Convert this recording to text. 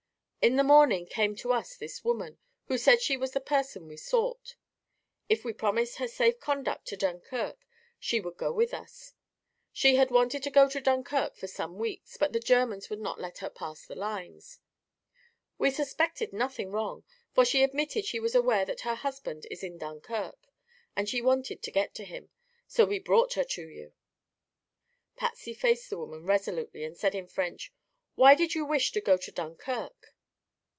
In the morning came to us this woman, who said she was the person we sought. If we promised her safe conduct to Dunkirk, she would go with us. She had wanted to go to Dunkirk for some weeks, but the Germans would not let her pass the lines. We suspected nothing wrong, for she admitted she was aware that her husband is in Dunkirk, and she wanted to get to him. So we brought her to you." Patsy faced the woman resolutely and said in French: "Why did you wish to get to Dunkirk?"